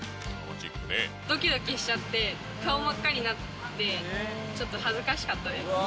どきどきしちゃって、顔真っ赤になって、ちょっと恥ずかしかったです。